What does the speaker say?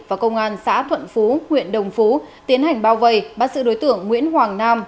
và công an xã thuận phú huyện đồng phú tiến hành bao vây bắt sự đối tượng nguyễn hoàng nam